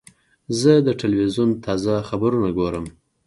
زه د تلویزیون تازه خبرونه ګورم.